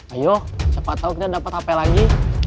ayo cepat tau kita dapat hp lagi